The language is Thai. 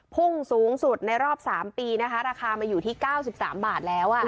พุ่งสูงสุดในรอบ๓ปีนะคะราคามาอยู่ที่๙๓บาทแล้ว